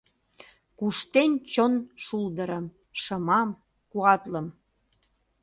Куштен чон шулдырым — шымам, куатлым.